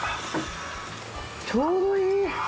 ちょうどいい！